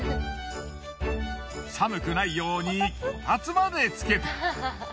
寒くないようにこたつまでつけて。